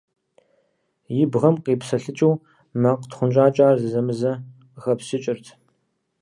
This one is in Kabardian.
И бгъэм къипсэлъыкӀыу макъ тхъунщӀакӀэ ар зэзэмызэ къыхэпсчыкӀырт.